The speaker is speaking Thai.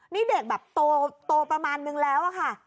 นี่เด็กแบบโตประมาณนึงแล้วอะค่ะ